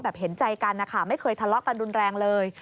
เห็นใจกันนะคะไม่เคยทะเลาะกันรุนแรงเลย